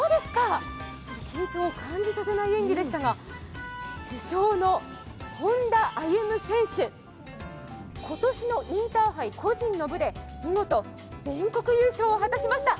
緊張を感じさせない演技でしたが、主将の本田歩夢選手、今年のインターハイ個人の部で見事、全国優勝を果たしました。